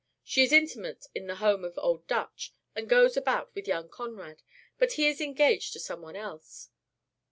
She is intimate in the home of Old Dutch and goes about with young Conrad, but he is engaged to some one else.